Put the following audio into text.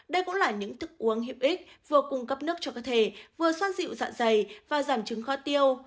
đây cũng là những thức uống hiệu ích vừa cung cấp nước cho cơ thể vừa xoan dịu dạ dày và giảm trứng kho tiêu